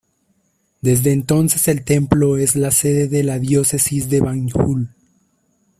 Desde entonces el templo es la sede de la diócesis de Banjul.